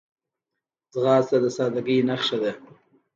ځغاسته د سادګۍ نښه ده